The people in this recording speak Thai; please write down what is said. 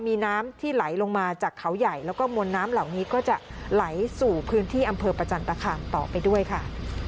มีน้ำที่ไหลลงมาจากเขาใหญ่แล้วก็มวลน้ำเหล่านี้ก็จะไหลสู่พื้นที่อำเภอประจันตคามต่อไปด้วยค่ะ